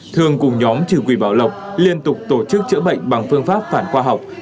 thường cùng nhóm trừ quỷ bảo lộc liên tục tổ chức chữa bệnh bằng phương pháp phản khoa học